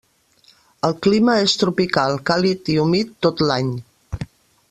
El clima és tropical, càlid i humit tot l'any.